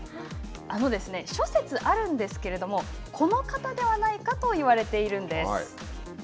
諸説あるんですけれども、この方ではないかと言われているんです。